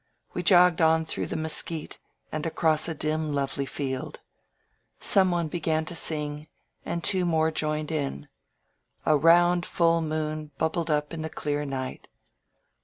We jogged on through the mesquite and across a dim, lovely field. Someone began to sing and two more joined in. A round, full moon bubbled up in the clear night.